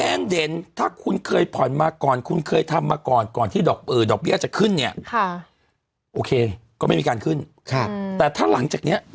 เด่นถ้าคุณเคยผ่อนมาก่อนคุณเคยทำมาก่อนก่อนที่ดอกเบี้ยจะขึ้นเนี่ยโอเคก็ไม่มีการขึ้นแต่ถ้าหลังจากเนี้ย